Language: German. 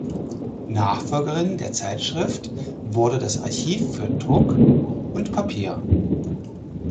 Nachfolgerin der Zeitschrift wurde das Archiv für Druck und Papier.